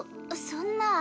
そんなあ